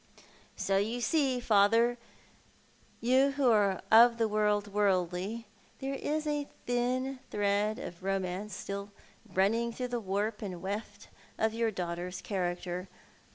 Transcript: So you see, father, you who are of the world worldly, there is a thin thread of romance still running through the warp and weft of your daughter's character.